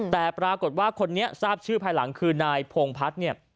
แต่ปรากฏว่าคนนี้ทราบชื่อภายหลังคือนายพงพัฒน์เนี่ย